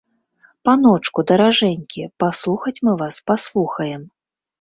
Паночку, даражэнькі, паслухаць мы вас паслухаем.